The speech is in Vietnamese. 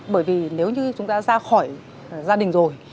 bởi vì nếu như chúng ta ra khỏi gia đình rồi